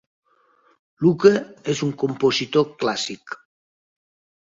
Luke és un compositor clàssic.